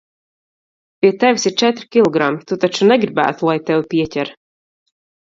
Pie tevis ir četri kilogrami, tu taču negribētu, lai tevi pieķer?